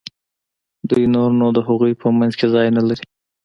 دوی نور نو د هغوی په منځ کې ځای نه لري.